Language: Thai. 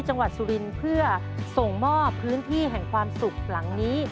จังหวัดสุรินทร์เพื่อส่งมอบพื้นที่แห่งความสุขหลังนี้